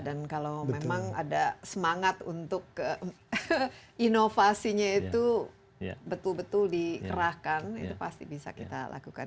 kalau memang ada semangat untuk inovasinya itu betul betul dikerahkan itu pasti bisa kita lakukan